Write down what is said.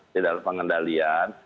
di dalam pengendalian